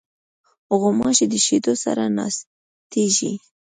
غوماشې د شیدو سره ناستېږي.